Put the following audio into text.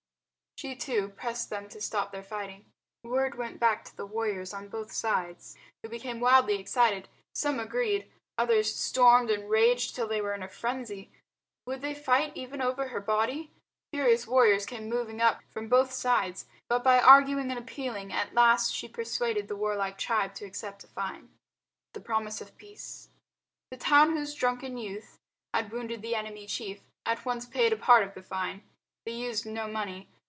She, too, pressed them to stop their fighting. Word went back to the warriors on both sides, who became wildly excited. Some agreed, others stormed and raged till they were in a frenzy. Would they fight even over her body? Furious warriors came moving up from both sides. But by arguing and appealing at last she persuaded the warlike tribe to accept a fine. The Promise of Peace The town whose drunken youth had wounded the enemy chief at once paid a part of the fine. They used no money.